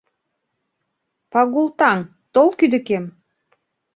— Пагул таҥ, тол кӱдыкем!